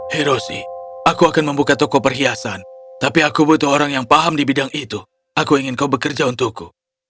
hiroshi aku akan membuka toko perhiasan tapi aku butuh orang yang paham di bidang itu aku ingin kau bekerja untukku